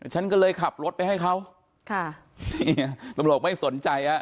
ฉันก็เลยขับรถไปให้เขาค่ะนี่ตำรวจไม่สนใจฮะ